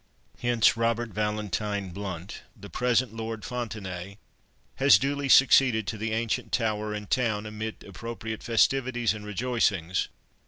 Hence, Robert Valentine Blount, the present Lord Fontenaye, has duly succeeded to the ancient tower and town, amid appropriate festivities and rejoicings.